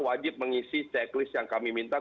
wajib mengisi checklist yang kami minta